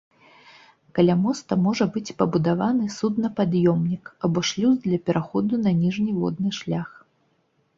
Каля моста можа быць пабудаваны суднапад'ёмнік або шлюз для пераходу на ніжні водны шлях.